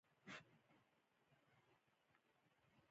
بدرنګه خبرې د زړه پر مخ داغ پرېږدي